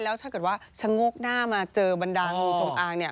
แล้วถ้าเกิดว่าชะโงกหน้ามาเจอบรรดางูจงอางเนี่ย